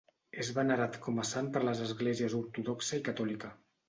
És venerat com a sant per les esglésies ortodoxa i catòlica.